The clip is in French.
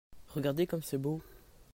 Regardez comme c'est beau !